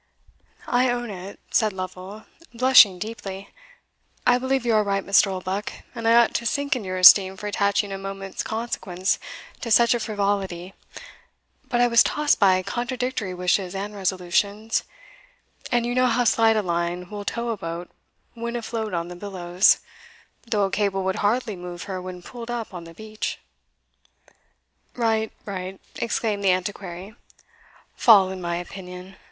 "I own it," said Lovel, blushing deeply; "I believe you are right, Mr. Oldbuck, and I ought to sink in your esteem for attaching a moment's consequence to such a frivolity; but I was tossed by contradictory wishes and resolutions, and you know how slight a line will tow a boat when afloat on the billows, though a cable would hardly move her when pulled up on the beach." "Right, right," exclaimed the Antiquary. "Fall in my opinion!